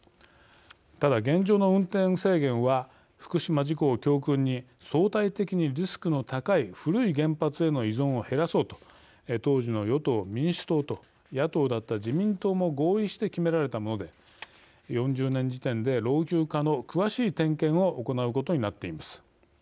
ただ、現状の運転制限は福島事故を教訓に相対的にリスクの高い古い原発への依存を減らそうと当時の与党・民主党と野党だった自民党も合意して決められたもので４０年時点で老朽化の詳しい点検を行うことになっています。